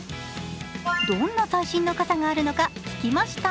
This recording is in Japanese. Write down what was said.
どんな最新の傘があるのか聞きました。